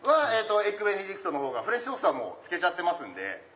エッグベネディクトのほうがフレンチトーストは漬けてますんで。